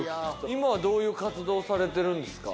今はどういう活動をされてるんですか？